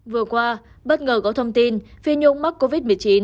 vừa qua bất ngờ có thông tin phi nhung mắc covid một mươi chín